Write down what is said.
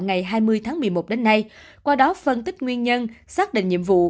ngày hai mươi tháng một mươi một đến nay qua đó phân tích nguyên nhân xác định nhiệm vụ